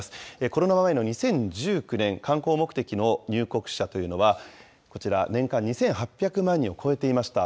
コロナ前の２０１９年、観光目的の入国者というのは、こちら、年間２８００万人を超えていました。